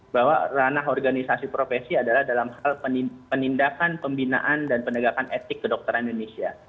bahwa ranah organisasi profesi adalah dalam hal penindakan pembinaan dan penegakan etik kedokteran indonesia